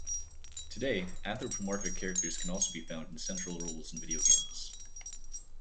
Today, anthropomorphic characters can also be found in central roles in video games.